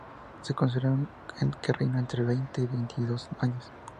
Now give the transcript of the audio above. Se considera que reinó entre veinte y veintidós años.